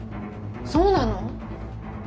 そうなの？